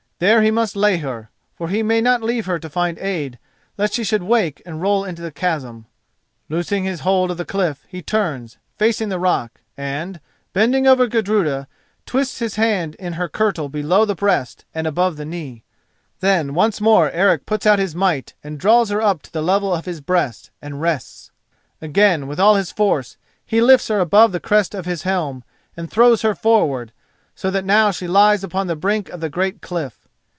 There he must lay her, for he may not leave her to find aid, lest she should wake and roll into the chasm. Loosing his hold of the cliff, he turns, facing the rock, and, bending over Gudruda, twists his hands in her kirtle below the breast and above the knee. Then once more Eric puts out his might and draws her up to the level of his breast, and rests. Again with all his force he lifts her above the crest of his helm and throws her forward, so that now she lies upon the brink of the great cliff.